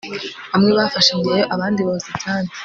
bamwe bafashe imyeyo abandi boza ibyansi